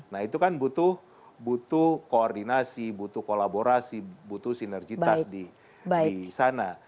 nah itu kan butuh koordinasi butuh kolaborasi butuh sinergitas di sana